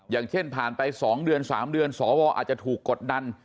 อย่างเช่นผ่านไป๒เดือน๓เดือนสวอาจจะถูกกดดัน